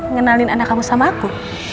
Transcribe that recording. ngenalin anak kamu sama aku